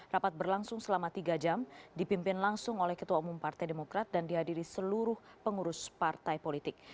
rapat berlangsung selama tiga jam dipimpin langsung oleh ketua umum partai demokrat dan dihadiri seluruh pengurus partai politik